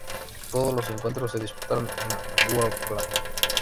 Todos los encuentros se disputaron en Wroclaw.